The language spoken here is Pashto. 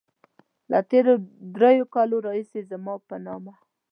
له تېرو دريو کالو راهيسې زما په نامه.